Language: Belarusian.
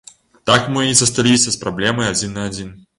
Так мы і засталіся з праблемай адзін на адзін.